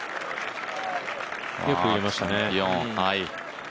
よく入れましたね。